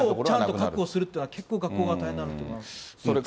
ちゃんと確保するというのは、結構、学校側大変だと思います。